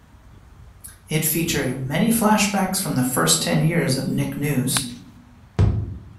It featured many flashbacks from the first ten years of "Nick News".